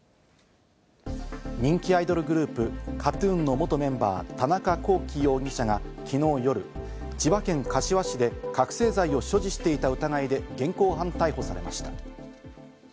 人気アイドルグループＫＡＴ−ＴＵＮの元メンバー田中聖容疑者が昨日夜、千葉県柏市で覚醒剤を所持していた疑いで現行犯逮捕されました。